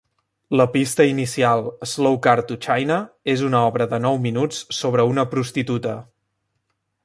La pista inicial "Slowcar to China" és una obra de nou minuts sobre una prostituta.